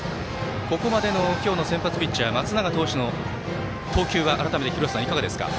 ここまでの今日の先発ピッチャー松永投手の投球内容は改めていかがですか？